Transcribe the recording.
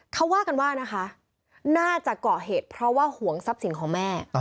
เค้าว่ากันว่าน่าจะก่อเหตุเพราะว่าหวงทรัพย์สิ่งของแม่